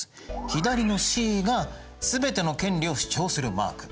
左のＣが全ての権利を主張するマーク。